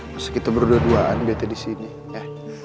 masa kita berdua duaan bete disini ya